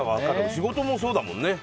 仕事もそうだもんね。